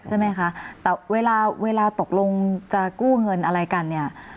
ใช่ไหมคะแต่เวลาเวลาตกลงจะกู้เงินอะไรกันเนี่ย